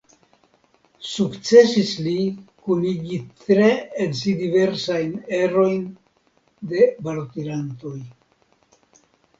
Sukcesis li kunigi tre en si diversajn erojn de balotirantoj.